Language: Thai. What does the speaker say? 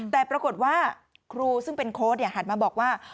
แต่ปรากฏว่าครูซึ่งเป็นโค้ดหันมาบอกว่า